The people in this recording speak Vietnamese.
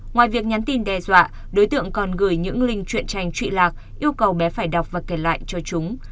ngoài việc nhắn tin đe dọa đối tượng còn gửi những linh truyện tranh trụy lạc yêu cầu bé phải đọc và kể lại cho chúng